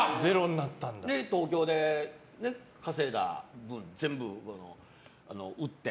で、東京で稼いだもん全部売って。